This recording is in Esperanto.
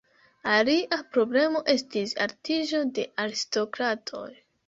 Alia problemo estis altiĝo de aristokratoj.